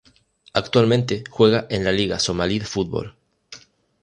Actualmente, juega en la Liga Somalí de Fútbol.